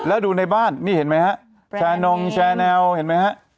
แล้วดูในบ้านนี่เห็นไหมฮะแชร์นงแชร์แนวเห็นไหมฮะ